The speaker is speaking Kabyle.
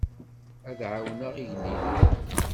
Ad ɛawneɣ igellilen.